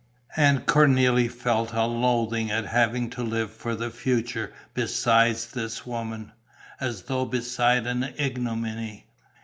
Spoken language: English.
And Cornélie felt a loathing at having to live for the future beside this woman, as though beside an ignominy.